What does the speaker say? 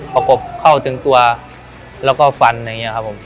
ประกบเข้าถึงตัวแล้วก็ฟันอย่างนี้ครับผม